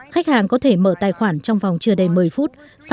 khách hàng có thể mở tài khoản trong vòng chưa đầy một mươi phút